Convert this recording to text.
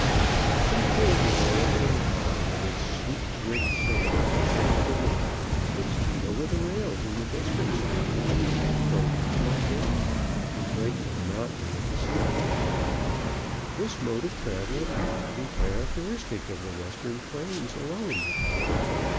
But occasionally a hand car with its sloop rigged sails set to the wind would speed over the rails in the distance, like a cat boat before a gale, and break the monotony of the scene. This mode of travel appears to be characteristic of the Western plains alone.